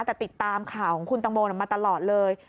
แต่ติดตามข่าวของคุณตังโมมาตลอดเลย